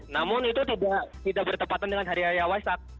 namun itu tidak bertepatan dengan hari hari awal saat